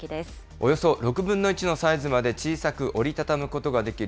およそ６分の１のサイズまで小さく折り畳むことができる